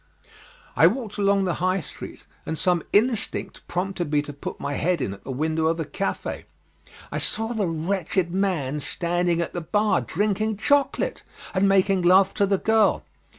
I walked along the High Street, and some instinct prompting me to put my head in at the window of a cafe. I saw the wretched man standing at the bar drinking chocolate and making love to the girl.